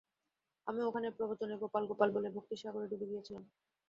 আমি ওখানে প্রবচনে গোপাল গোপাল বলে ভক্তির সাগরে ডুবে গিয়েছিলাম।